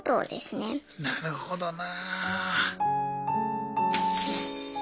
なるほどな。